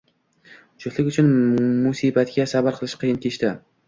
Juftlik uchun musibatga sabr qilish qiyin kechdi